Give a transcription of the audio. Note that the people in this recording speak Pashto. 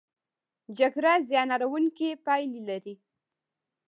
جګړه زیان اړوونکې پایلې لري.